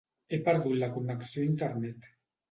He perdut la connecció a internet.